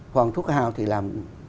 hoàng thúc hào thì làm